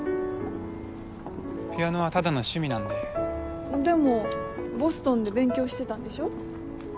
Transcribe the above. ピアノはただの趣味なんででもボストンで勉強してたんでしょ？